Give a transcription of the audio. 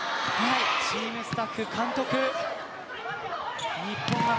チーム、スタッフ、監督。